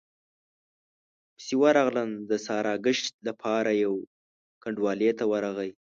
پسې ورغلم، د ساراګشت له پاره يوې کنډوالې ته ورغی،